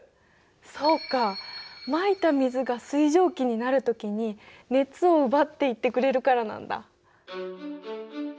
そうかまいた水が水蒸気になる時に熱を奪っていってくれるからなんだ。